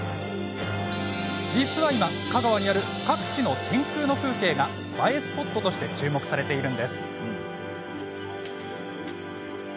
実は今、香川にある各地の天空の風景が映えスポットとして注目されているんです。